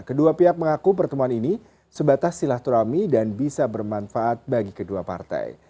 kedua pihak mengaku pertemuan ini sebatas silaturahmi dan bisa bermanfaat bagi kedua partai